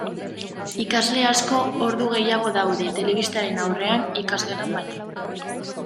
Ikasle asko ordu gehiago daude telebistaren aurrean ikasgelan baino.